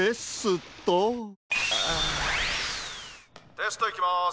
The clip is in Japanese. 「テストいきます」。